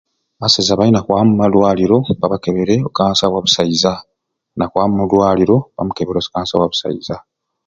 Abasaiza balina kwaba mumalwaliro babakebere o kansa wa busaiza nga akwaba mulwaliro bamukebere o si kansa wa busaiza